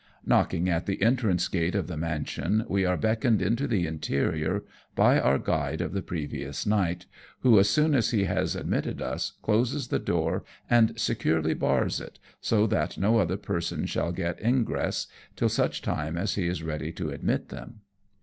Knocking at the entrance gate of the mansion, we are beckoned into the interior by our guide of the previous night, who, as soon as he has admitted us, closes the door and securely bars it, so that no other person shall get ingress till such time as he is ready to admit them.